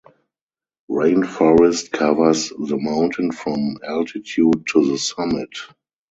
Rainforest covers the mountain from altitude to the summit.